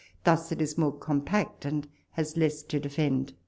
Thus it is more compact, and has less to de fend.